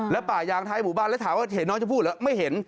แล้วป่ายางท้ายหมู่บ้านแล้วถามว่าเห็นน้องชมพู่หรือไม่เห็น